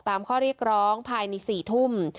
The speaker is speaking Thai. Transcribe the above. ข้อเรียกร้องภายใน๔ทุ่ม